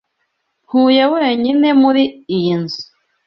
Ntuye wenyine muri iyi nzu.